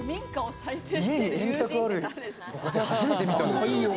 家に円卓あるご家庭、初めて見たんですけど。